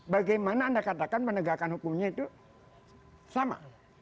bagaimana anda katakan penegakan hukumnya itu sama